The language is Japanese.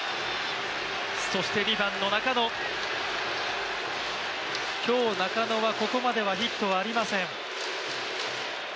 そして２番の中野、今日中野はここまでヒットはありません。